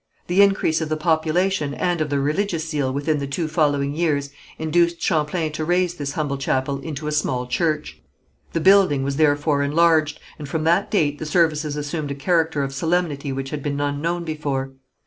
The increase of the population and of their religious zeal within the two following years, induced Champlain to raise this humble chapel into a small church. The building was therefore enlarged, and from that date the services assumed a character of solemnity which had been unknown before.